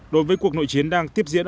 đối với cuộc nội chiến đang tiếp diễn